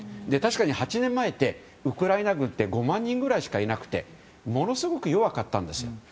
確かに８年前ってウクライナ軍って５万人ぐらいしかいなくてものすごく弱かったんですよ。